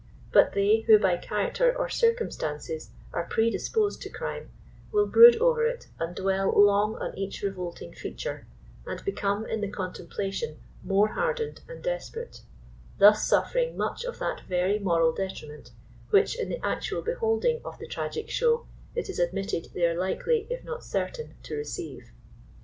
But they who by character or circumstances are predisposed to crime, will brood over it and dwell long on each revolting feature, and become in the contemplation more hard ened and desperate ; thus suffering much of that very moral detriment, which, in the actual beholding of the tragic show, it is admitted they are likely, if not certain, to receive.